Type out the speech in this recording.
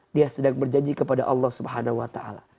dia sedang berjanji kepada allah swt